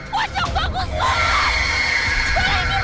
kocok bagus banget